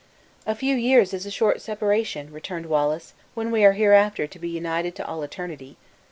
"A few years is a short separation," returned Wallace, "when we are hereafter to be united to all eternity.